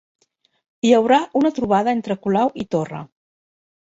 Hi haurà una trobada entre Colau i Torra